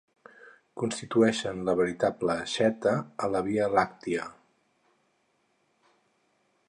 Constitueixen la veritable aixeta a la via làctia.